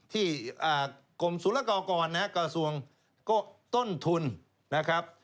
ที่กรมศุลกรกรกระทรวงก็ต้นทุนนะครับ